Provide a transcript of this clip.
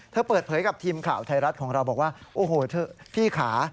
เปิดเผยกับทีมข่าวไทยรัฐของเราบอกว่าโอ้โหเถอะพี่ค่ะ